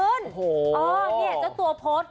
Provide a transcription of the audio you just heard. เออนี่เจ้าตัวโพสภาพดีนี้เข้าไปคุณผู้ชม